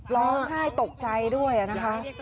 ร้องไห้ตกใจด้วยนะคะ